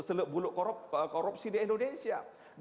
sebelum korupsi di indonesia